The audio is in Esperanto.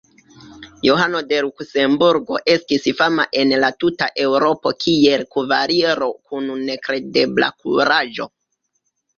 Johano de Luksemburgo estis fama en la tuta Eŭropo kiel kavaliro kun nekredebla kuraĝo.